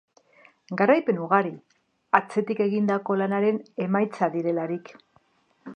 Garaipen ugari, atzetik egindako lanaren emaitza direlarik.